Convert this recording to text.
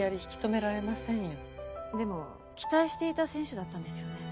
でも期待していた選手だったんですよね？